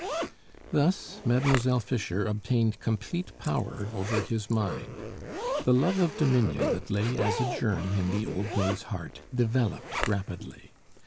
Thus Mademoiselle Fischer obtained complete power over his mind. The love of dominion that lay as a germ in the old maid's heart developed rapidly.